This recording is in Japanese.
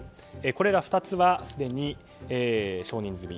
これら２つはすでに承認済み。